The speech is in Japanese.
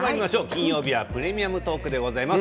金曜日は「プレミアムトーク」です。